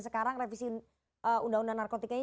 sekarang revisi undang undang narkotikanya